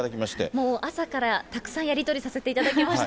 もう朝からたくさんやり取りさせていただきました。